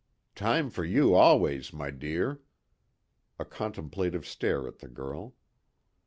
"Time for you always, my dear." A contemplative stare at the girl.